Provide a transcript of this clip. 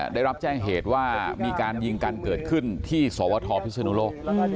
ได้รับแจ้งเหตุว่ามีการยิงกันเกิดขึ้นที่สวทพิศนุโลก